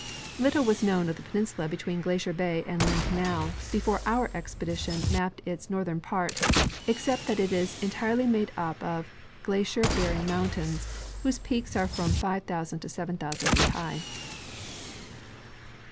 Little Avas known of the peninsula between Glacier bay and Lynn canal before our expedition mapped its northern part, except that it is entirely made up of glacier bearing mountains, whose peaks are from 5,000 to 7,000 feet high.